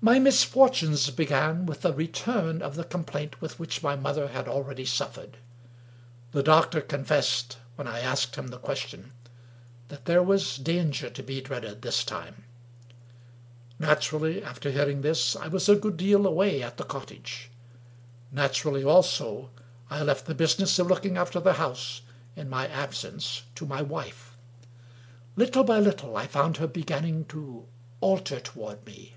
My misfortunes began with a return of the complaint with which my mother had already suffered. The doctor confessed, when I asked him the question, that there was danger to be dreaded this time. Naturally, after hearing this, I was a good deal away at the cottage. Naturally also, I left the business of looking after the house, in my 247 English Mystery Stories absence, to my wife. Little by little, I found her begin ning to alter toward me.